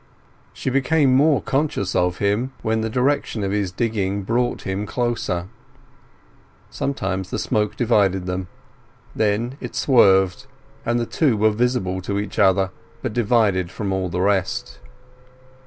She became more conscious of him when the direction of his digging brought him closer. Sometimes the smoke divided them; then it swerved, and the two were visible to each other but divided from all the rest.